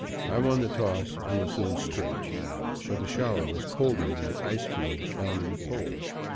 I won the toss and was soon stripped. But the shower was colder than the ice fields bounding the pole.